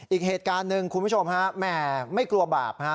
อีกเหตุการณ์หนึ่งคุณผู้ชมฮะแหมไม่กลัวบาปฮะ